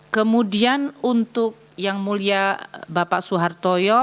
kemudian untuk yang mulia bapak soehartoyo